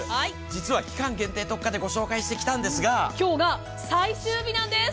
実は期間限定特価でご紹介してきたんですが、今日が最終日なんです。